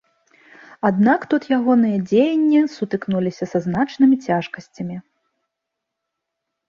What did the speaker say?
Аднак тут ягоныя дзеянні сутыкнуліся са значнымі цяжкасцямі.